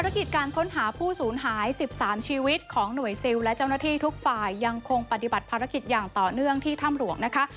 กิจการค้นหาผู้สูญหาย๑๓ชีวิตของหน่วยซิลและเจ้าหน้าที่ทุกฝ่ายยังคงปฏิบัติภารกิจอย่างต่อเนื่องที่ถ้ำหลวงนะคะ